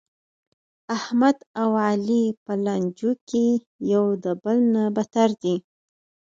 احمد او علي په لانجو کې یو د بل نه بتر دي.